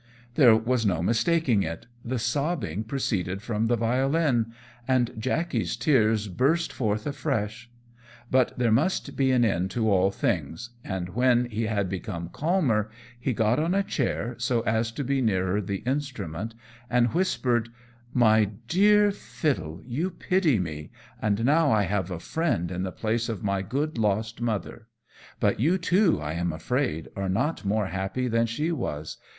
There was no mistaking it, the sobbing proceeded from the violin, and Jackey's tears burst forth afresh; but there must be an end to all things, and when he had become calmer, he got on a chair, so as to be nearer the instrument, and whispered "My dear Fiddle, you pity me, and now I have a friend in the place of my good lost mother. But you, too, I am afraid, are not more happy than she was.